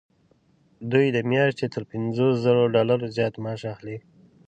دوی د میاشتې تر پنځوس زرو ډالرو زیات معاش اخلي.